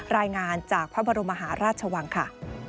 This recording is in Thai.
รายงานจากพระบรมมหาราชวังค่ะ